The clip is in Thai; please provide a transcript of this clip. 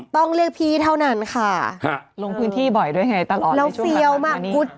ต้องเรียกพี่เท่านั้นค่ะลงพื้นที่บ่อยด้วยไงตลอดแล้วเฟี้ยวมาก